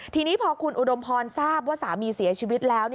ทีนี้พอคุณอุดมพรทราบว่าสามีเสียชีวิตแล้ว